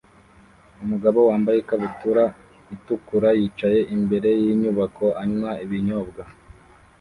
Umugabo wambaye ikabutura itukura yicaye imbere yinyubako anywa ibinyobwa